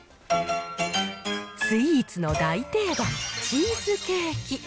スイーツの大定番、チーズケーキ。